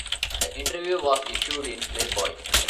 The interview was issued in "Playboy".